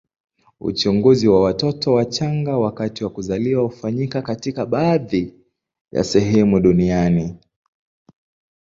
Uchunguzi wa watoto wachanga wakati wa kuzaliwa hufanyika katika baadhi ya sehemu duniani.